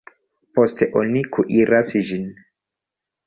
Poste oni kuiras ĝin.